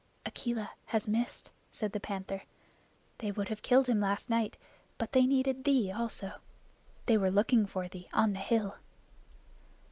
"Akela has missed," said the Panther. "They would have killed him last night, but they needed thee also. They were looking for thee on the hill."